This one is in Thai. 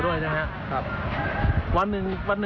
ร้อยกว่า